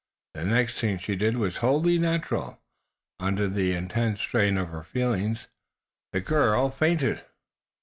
The next thing she did was wholly natural. Under the intense strain of her feelings the girl fainted.